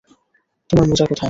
তোমার মোজা কোথায়?